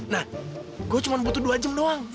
nah gue cuma butuh dua jam doang